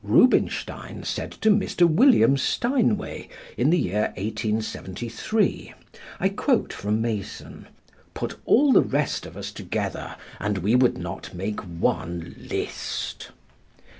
Rubinstein said to Mr. William Steinway, in the year 1873 (I quote from Mason): "Put all the rest of us together and we would not make one Liszt."